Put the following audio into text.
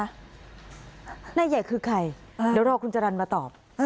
นายใหญ่คือใครเดี๋ยวรอคุณจรรย์มาตอบ